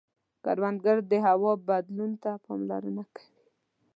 کروندګر د هوا بدلون ته پاملرنه کوي